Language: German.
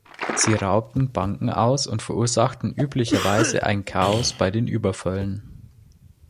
Sie raubten Banken aus und verursachten üblicherweise ein Chaos bei den Überfällen.